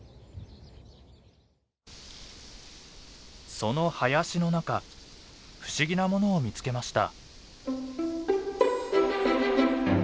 その林の中不思議なものを見つけました。